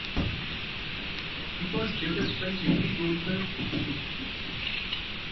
It was developed by Jeffery Goldberg, PhD.